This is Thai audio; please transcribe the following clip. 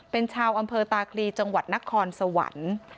เป็นชาวอำเภอตาคลีจังหวัดนครสวรรค์